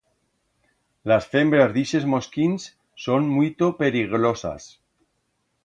Las fembras d'ixes mosquins son muito periglosas.